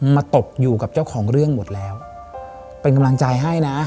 ตกอยู่กับเจ้าของเรื่องหมดแล้วเป็นกำลังใจให้นะ